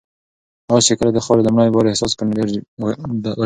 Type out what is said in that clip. آس چې کله د خاورو لومړی بار احساس کړ نو ډېر یې وژړل.